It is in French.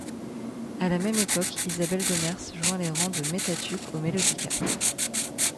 À la même époque, Isabelle Demers joint les rangs de Mètatuk au Mélodica.